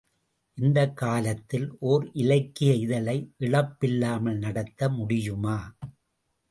இந்தக் காலத்தில் ஒர் இலக்கிய இதழை இழப்பில்லாமல் நடத்த முடியுமா?